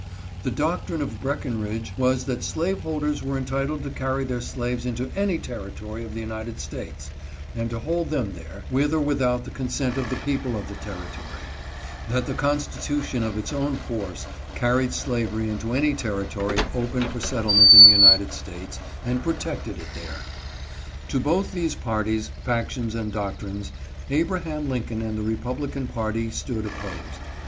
The doc trine of Breckenridge was that slaveholders were entitled to carry their slaves into any territory of the United States and to hold them there, with or without the consent of the people of the territory; that the Constitution of its own force carried slavery into any territory open for set tlement in the United States, and protected it there. To both these parties, factions, and doctrines, Abraham Lin coln and the republican party stood opposed.